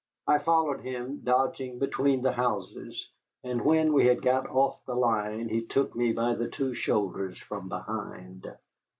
I followed him, dodging between the houses, and when we had got off the line he took me by the two shoulders from behind.